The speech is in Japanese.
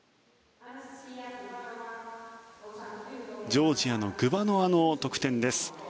ジョージアのグバノワの得点です。